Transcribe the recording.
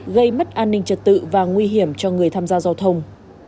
gây mất an ninh trật tự và nguy hiểm cho người tham gia giao thông